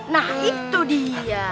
nah itu dia